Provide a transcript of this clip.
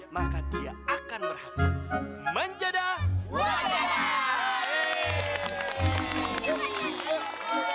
maka dia akan berhasil menjadah wadah